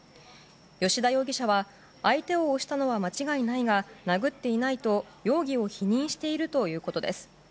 吉田容疑者は相手を押したのは間違いないが殴っていないと容疑を否認しているということです。